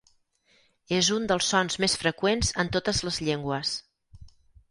És un dels sons més freqüents en totes les llengües.